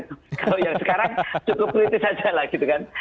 kalau yang sekarang cukup kritis aja lah gitu kan